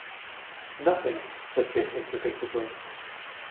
"Nothing" said Jason, predictably